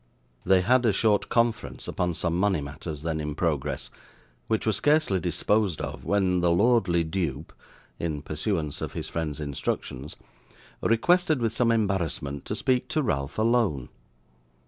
They had a short conference upon some money matters then in progress, which were scarcely disposed of when the lordly dupe (in pursuance of his friend's instructions) requested with some embarrassment to speak to Ralph alone.